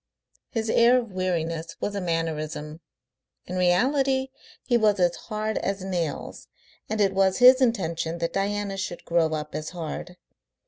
His air of weariness was a mannerism. In reality he was as hard as nails, and it was his intention that Diana should grow up as hard.